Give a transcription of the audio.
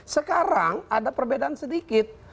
sekarang ada perbedaan sedikit